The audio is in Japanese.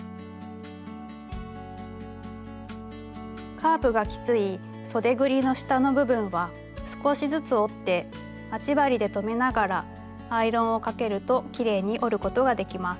カーブがきついそでぐりの下の部分は少しずつ折って待ち針で留めながらアイロンをかけるときれいに折ることができます。